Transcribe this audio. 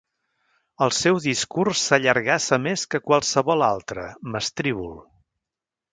El seu discurs s'allargassa més que qualsevol altre, mestrívol.